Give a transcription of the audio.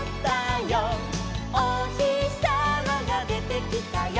「おひさまがでてきたよ」